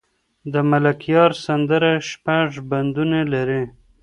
د ملکیار سندره شپږ بندونه لري.